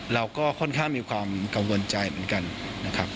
เราก็ค่อนข้างมีความกังวลใจเหมือนกันนะครับ